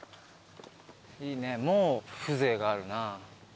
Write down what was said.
いいねもう風情があるな。